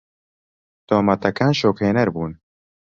تۆمەتەکان شۆکهێنەر بوون.